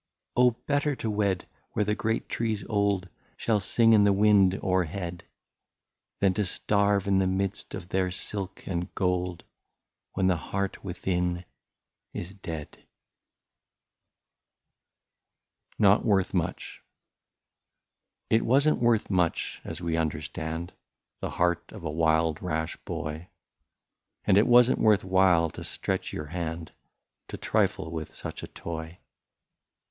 " Oh ! better to wed where the great trees old Shall sing in the wind o'er head, Than to starve in the midst of their silk and gold When the heart within is dead/' 74 NOT WORTH much It was n't worth much as we understand, — The heart of a wild rash boy ; And it was n't worth while to stretch your hand, To trifle with such a toy.